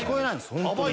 ホントに。